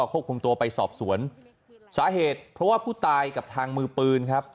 ควบคุมตัวไปสอบสวนสาเหตุเพราะว่าผู้ตายกับทางมือปืนครับ